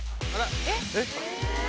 あら？